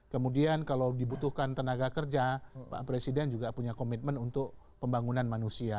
kemudian kalau dibutuhkan tenaga kerja pak presiden juga punya komitmen untuk pembangunan manusia